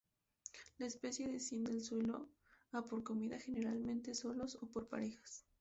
La especie desciende al suelo a por comida generalmente solos o por parejas.